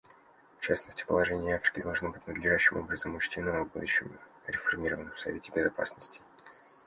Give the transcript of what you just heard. В частности, положение Африки должно быть надлежащим образом учтено в будущем реформированном Совете Безопасности.